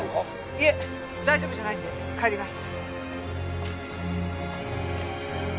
いえ大丈夫じゃないんで帰ります。